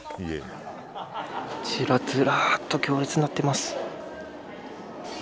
こちら、ずらっと行列になってます。